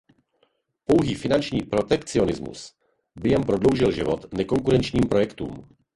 Pouhý finanční protekcionismus by jen prodloužil život nekonkurenčním projektům.